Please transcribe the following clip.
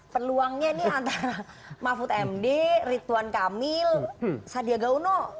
peluangnya ini antara mahfud md ridwan kamil sadia gauno